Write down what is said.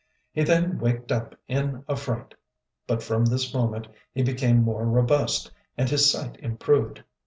He then waked up in a fright; but from this moment he became more robust and his sight improved.